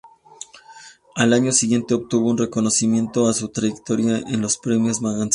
Al año siguiente obtuvo un reconocimiento a su trayectoria en los "Premios Magazine".